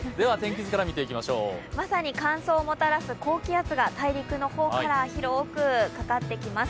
まさに感想をもたらす高気圧が大陸の方から広くかかってきます。